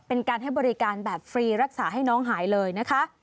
เป็นการให้บริการแบบฟรีรักษาให้น้องหายเลยนะคะ